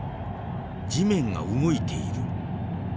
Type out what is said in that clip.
『地面が動いている！』。